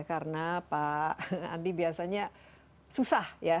karena pak andi biasanya susah ya